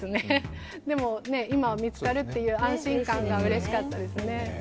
でも、今は見つかるという安心感がうれしかったですね。